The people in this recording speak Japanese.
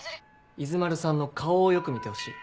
伊豆丸さんの顔をよく見てほしい。